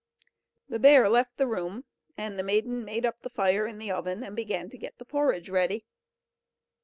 The bear left the room, and the maiden made up the fire in the oven, and began to get the porridge ready.